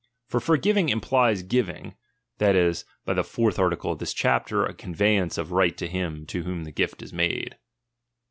For forgiving implies giving, that is, by the fourth article of this chapter, a conveyance of right to him to whom the gift is made.